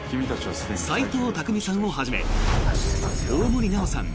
斎藤工さんをはじめ大森南朋さん